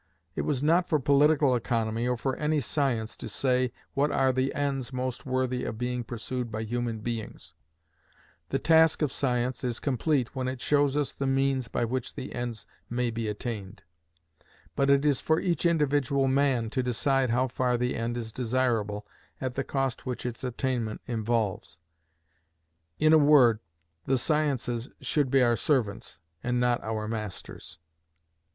It was not for political economy or for any science to say what are the ends most worthy of being pursued by human beings; the task of science is complete when it shows us the means by which the ends may be attained; but it is for each individual man to decide how far the end is desirable at the cost which its attainment involves. In a word, the sciences should be our servants, and not our masters.